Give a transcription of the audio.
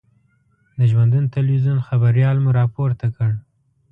د ژوندون تلویزون خبریال مو را پورته کړ.